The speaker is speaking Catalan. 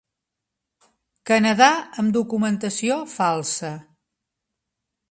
Canadà amb documentació falsa.